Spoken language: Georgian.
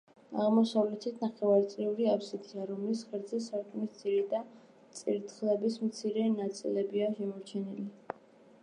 აღმოსავლეთით ნახევარწრიული აბსიდია, რომლის ღერძზე სარკმლის ძირი და წირთხლების მცირე ნაწილებია შემორჩენილი.